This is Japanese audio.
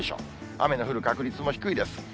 雨の降る確率も低いです。